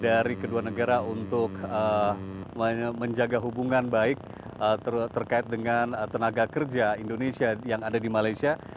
dari kedua negara untuk menjaga hubungan baik terkait dengan tenaga kerja indonesia yang ada di malaysia